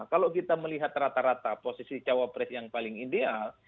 kalau kita melihat rata rata posisi cawapres yang paling ideal